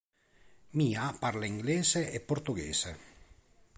Mia parla inglese e portoghese.